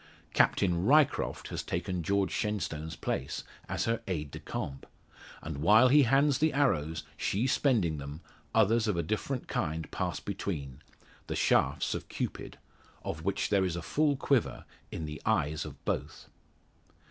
Captain Ryecroft has taken George Shenstone's place, as her aide de camp; and while he hands the arrows, she spending them, others of a different kind pass between the shafts of Cupid of which there is a full quiver in the eyes of both.